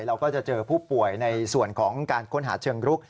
เราก็จะเจอผู้ป่วยในส่วนของการค้นหาเชิงรุก